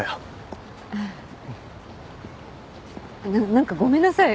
何かごめんなさい。